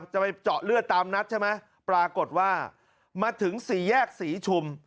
จะไปเจาะเลือดตามนัดใช่ไหมปรากฏว่ามาถึงสี่แยกศรีชุม